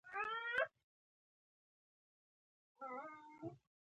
زه خوب لېونی کړی وم.